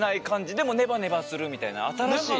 でもネバネバするみたいなあたらしい。